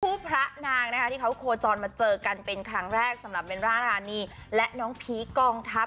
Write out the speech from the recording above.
พระนางนะคะที่เขาโคจรมาเจอกันเป็นครั้งแรกสำหรับเบลล่ารานีและน้องพีคกองทัพ